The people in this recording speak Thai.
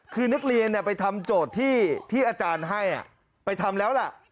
คือนักเรียนไปทำโจทย์ที่อาจารย์ให้ไปทำแล้วล่ะ